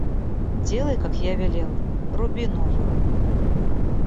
Делай, как я велел, — руби новую.